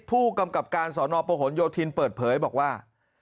ผู้กำกับการสอนอประหลโยธินเปิดเผยบอกว่า